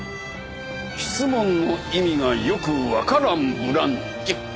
質問の意味がよくわからんブランチ。